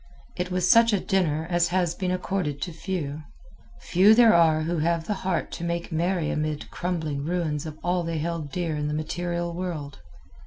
It was such a dinner as has been accorded to few. Few there are who have the heart to make merry amid crumbling ruins of all they held dear in the material world.